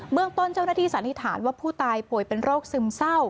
เมืองต้นเจ้าหน้าที่สันนิษฐานว่าผู้ตายป่วยเป็นโรคซึมเศร้า